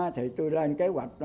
thì tôi lên kế hoạch